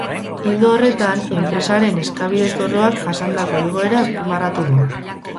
Ildo horretan, enpresaren esbakide-zorroak jasandako igoera azpimarratu du.